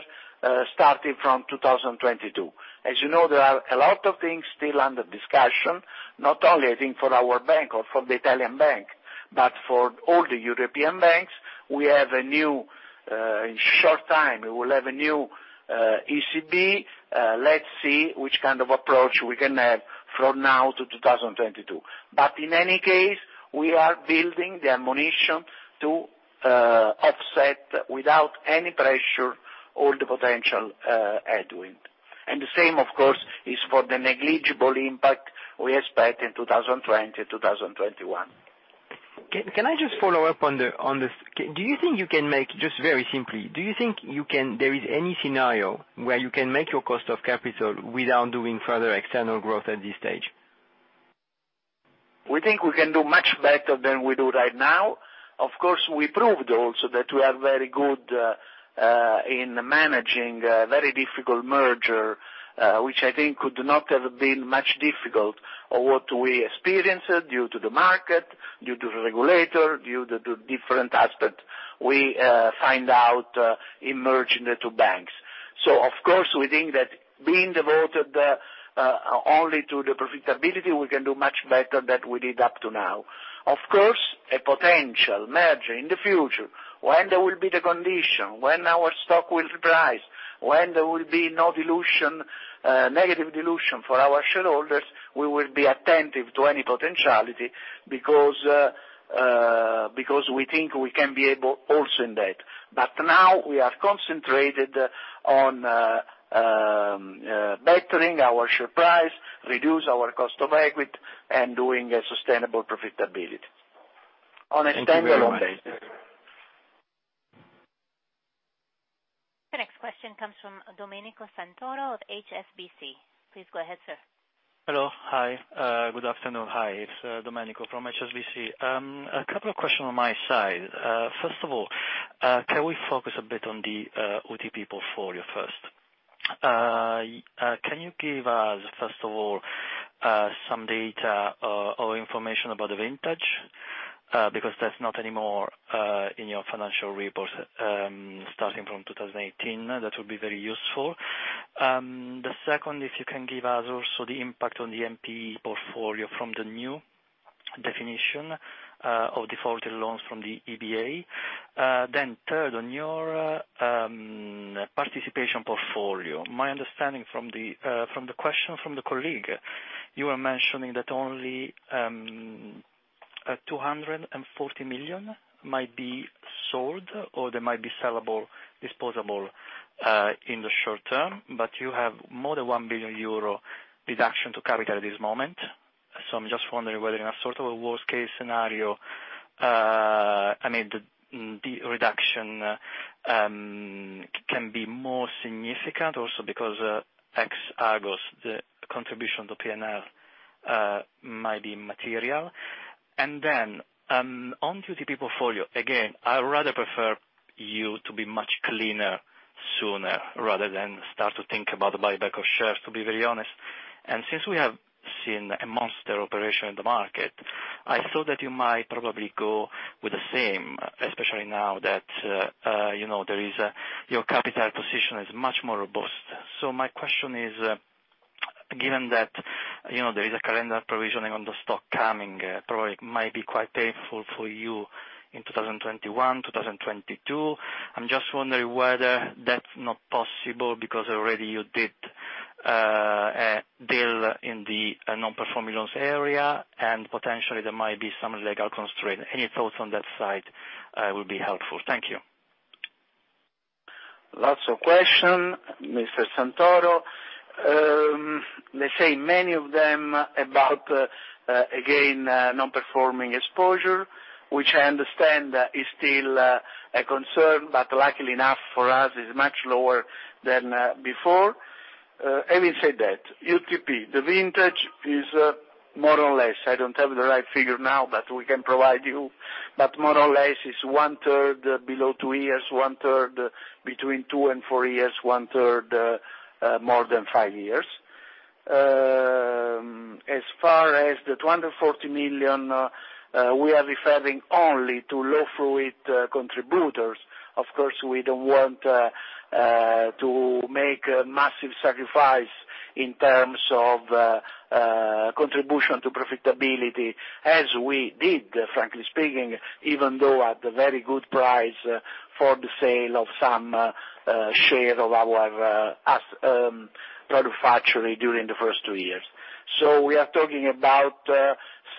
starting from 2022. As you know, there are a lot of things still under discussion, not only I think for our bank or for the Italian bank, but for all the European banks, in short time, we will have a new ECB. Let's see which kind of approach we can have from now to 2022. In any case, we are building the ammunition to offset without any pressure all the potential headwind. The same, of course, is for the negligible impact we expect in 2020, 2021. Can I just follow up on this? Just very simply, do you think there is any scenario where you can make your cost of capital without doing further external growth at this stage? We think we can do much better than we do right now. We proved also that we are very good in managing a very difficult merger, which I think could not have been much difficult of what we experienced due to the market, due to the regulator, due to different aspect we find out in merging the two banks. Of course, we think that being devoted only to the profitability, we can do much better than we did up to now. A potential merger in the future, when there will be the condition, when our stock will rise, when there will be no negative dilution for our shareholders, we will be attentive to any potentiality because we think we can be able also in that. Now we are concentrated on bettering our share price, reduce our cost of equity, and doing a sustainable profitability on a standalone basis. Thank you very much. The next question comes from Domenico Santoro of HSBC. Please go ahead, sir. Hello. Hi, good afternoon. Hi, it's Domenico from HSBC. A couple of questions on my side. Can we focus a bit on the UTP portfolio first? Can you give us, first of all, some data or information about the vintage? That's not anymore in your financial report, starting from 2018. That would be very useful. The second, if you can give us also the impact on the NPE portfolio from the new definition of defaulted loans from the EBA. Third, on your participation portfolio. My understanding from the question from the colleague, you are mentioning that only 240 million might be sold or they might be sellable, disposable in the short term, but you have more than 1 billion euro deduction to capital at this moment. I'm just wondering whether in a sort of a worst-case scenario, the reduction can be more significant, also because ex Agos, the contribution to P&L might be material. On UTP portfolio, again, I would rather prefer you to be much cleaner sooner rather than start to think about the buyback of shares, to be very honest. Since we have seen a monster operation in the market, I thought that you might probably go with the same, especially now that your capital position is much more robust. My question is, given that there is a calendar provisioning on the stock coming, probably it might be quite painful for you in 2021, 2022. I'm just wondering whether that's not possible because already you did a deal in the non-performing loans area, and potentially there might be some legal constraint. Any thoughts on that side will be helpful. Thank you. Lots of question, Mr. Santoro. Let's say many of them about, again, non-performing exposure, which I understand is still a concern, but luckily enough for us, is much lower than before. Having said that, UTP, the vintage is more or less, I don't have the right figure now, but we can provide you, but more or less it's one-third below two years, one-third between two and four years, one-third more than five years. As far as the 240 million, we are referring only to low-fluid contributors. Of course, we don't want to make massive sacrifice in terms of contribution to profitability as we did, frankly speaking, even though at a very good price for the sale of some share of our asset product factory during the first two years. We are talking about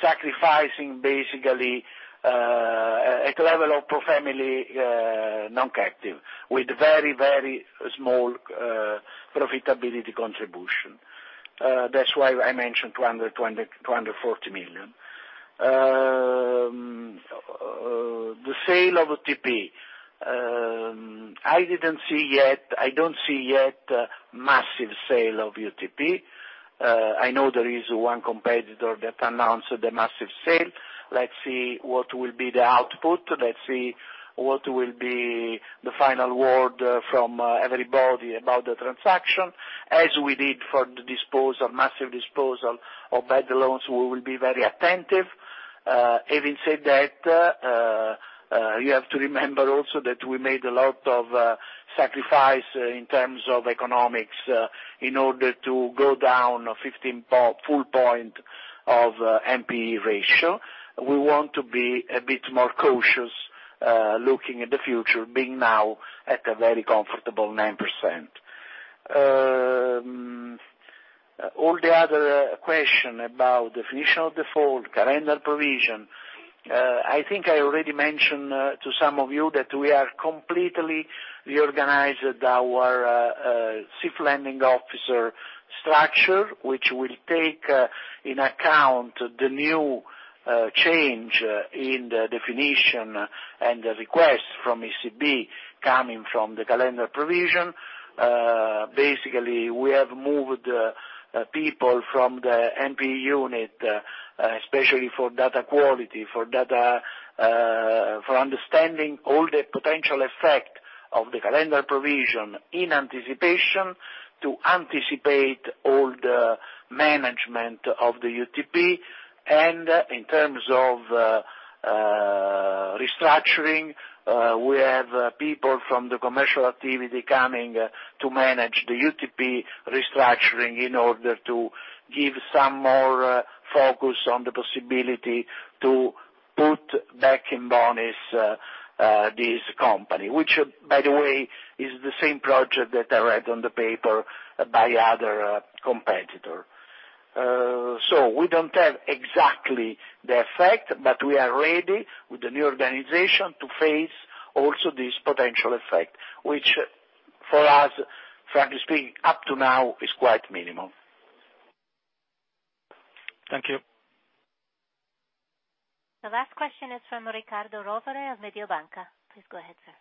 sacrificing basically a level of ProFamily non-captive with very, very small profitability contribution. That's why I mentioned 240 million. The sale of UTP. I don't see yet massive sale of UTP. I know there is one competitor that announced the massive sale. Let's see what will be the output. Let's see what will be the final word from everybody about the transaction. As we did for the massive disposal of bad loans, we will be very attentive. Having said that, you have to remember also that we made a lot of sacrifice in terms of economics in order to go down 15 full point of NPE ratio. We want to be a bit more cautious, looking at the future, being now at a very comfortable 9%. All the other question about definition of default, calendar provision. I think I already mentioned to some of you that we have completely reorganized our chief lending officer structure, which will take into account the new change in the definition and the requests from ECB coming from the calendar provisioning. Basically, we have moved people from the NPE unit, especially for data quality, for understanding all the potential effect of the calendar provisioning in anticipation to anticipate all the management of the UTP. In terms of restructuring, we have people from the commercial activity coming to manage the UTP restructuring in order to give some more focus on the possibility to put back in bonis this company, which by the way, is the same project that I read on the paper by other competitor. We don't have exactly the effect, but we are ready with the new organization to face also this potential effect, which for us, frankly speaking, up to now, is quite minimal. Thank you. The last question is from Riccardo Rovere of Mediobanca. Please go ahead, sir.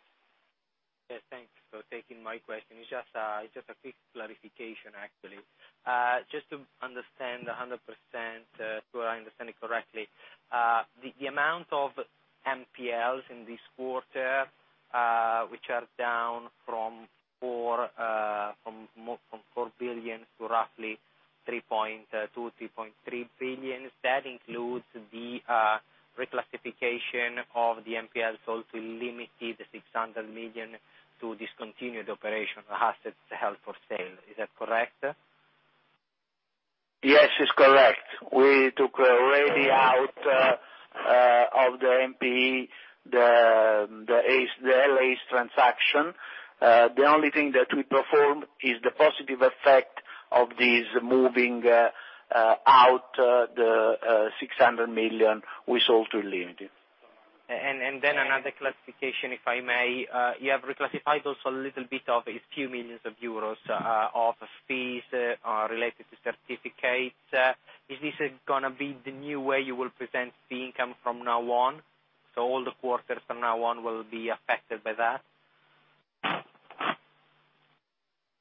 Yes, thanks for taking my question. It is just a quick clarification, actually. Just to understand 100%, so I understand it correctly. The amount of NPLs in this quarter, which are down from 4 billion to roughly 3.2 billion-3.3 billion. That includes the reclassification of the NPL sold to illimity 600 million to discontinued operation assets held for sale. Is that correct? Yes, it is correct. We took already out of the NPE, the ACE, the LAs transaction. The only thing that we performed is the positive effect of this moving out the 600 million we sold to illimity. Another classification, if I may. You have reclassified also a little bit of a few million EUR of fees related to certificates. Is this going to be the new way you will present the income from now on, so all the quarters from now on will be affected by that?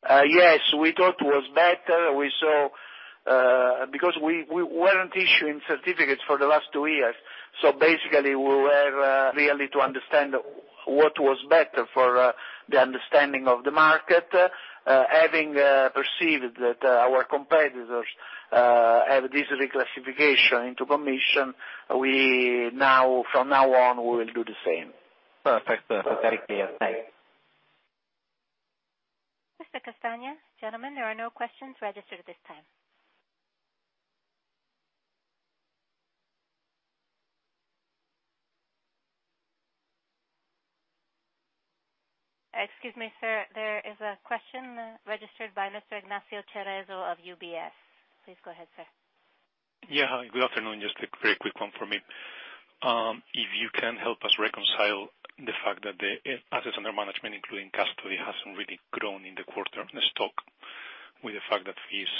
Yes, we thought it was better. We weren't issuing certificates for the last two years, so basically we were really to understand what was better for the understanding of the market. Having perceived that our competitors have this reclassification into commission, from now on, we will do the same. Perfect. Very clear. Thanks. Mr. Castagna, gentlemen, there are no questions registered at this time. Excuse me, sir, there is a question registered by Mr. Ignacio Cerezo of UBS. Please go ahead, sir. Yeah. Hi, good afternoon. Just a very quick one from me. If you can help us reconcile the fact that the assets under management, including custody, hasn't really grown in the quarter stock with the fact that fees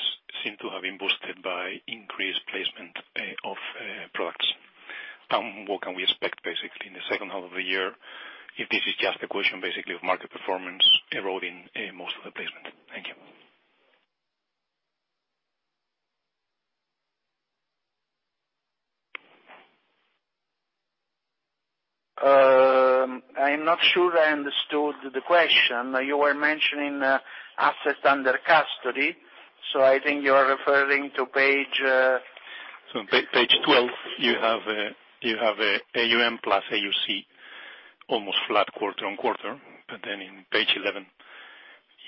seem to have been boosted by increased placement of products. What can we expect basically in the second half of the year if this is just a question basically of market performance eroding most of the placement? Thank you. I'm not sure I understood the question. You were mentioning assets under custody, so I think you're referring to page Page 12, you have AUM plus AUC almost flat quarter-on-quarter. On page 11,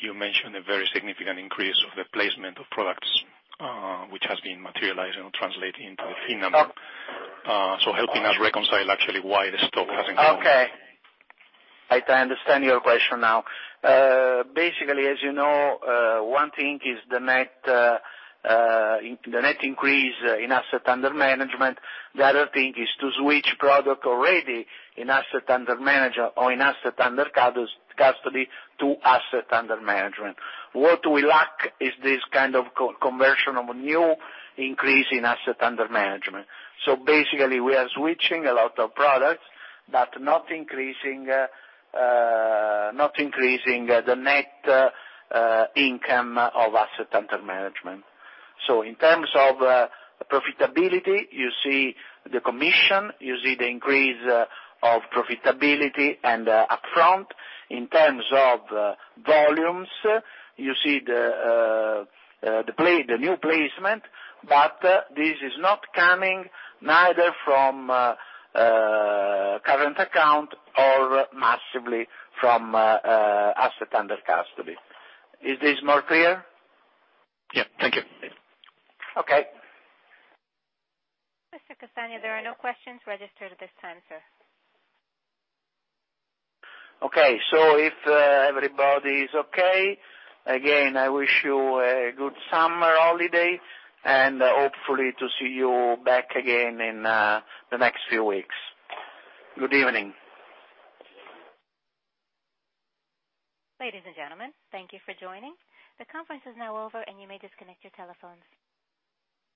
you mentioned a very significant increase of the placement of products, which has been materialized or translating into the fee number. Helping us reconcile actually why the stock hasn't grown. Okay. I understand your question now. As you know, one thing is the net increase in asset under management. The other thing is to switch product already in asset under custody to asset under management. What we lack is this kind of conversion of a new increase in asset under management. We are switching a lot of products, but not increasing the net income of asset under management. In terms of profitability, you see the commission, you see the increase of profitability and upfront. In terms of volumes, you see the new placement, but this is not coming neither from current account or massively from asset under custody. Is this more clear? Yeah. Thank you. Okay. Mr. Castagna, there are no questions registered at this time, sir. Okay. If everybody's okay, again, I wish you a good summer holiday and hopefully to see you back again in the next few weeks. Good evening. Ladies and gentlemen, thank you for joining. The conference is now over, and you may disconnect your telephones.